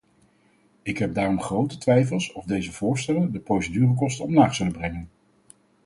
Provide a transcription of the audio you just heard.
Ik heb daarom grote twijfels of deze voorstellen de procedurekosten omlaag zullen brengen.